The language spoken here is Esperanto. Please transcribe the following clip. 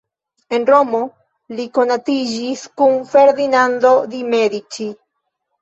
En Romo li konatiĝis kun Ferdinando di Medici.